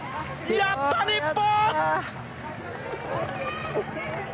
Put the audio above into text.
やった、日本！